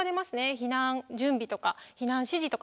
避難準備とか避難指示とか。